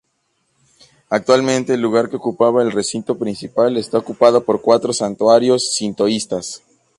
Actualmente, el lugar que ocupaba el recinto principal está ocupado por cuatro santuarios sintoístas.